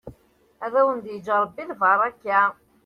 Ad awen-d-yeǧǧ ṛebbi lbaṛaka.